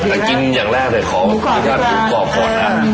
กลับมากินอย่างแรกเลยของหูกรอบก่อนนะ